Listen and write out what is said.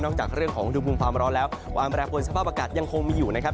นอกจากเรื่องของธุมภูมิความร้อนแล้วว่าอำแรกผลสภาพอากาศยังคงมีอยู่นะครับ